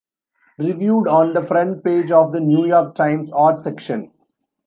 Reviewed on the front page of The New York Times Art section.